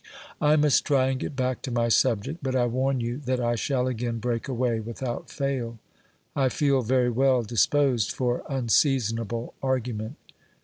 I must try and get back to my subject, but I warn you that I shall again break away without fail ; I feel very well disposed for unseasonable argument.